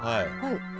はい。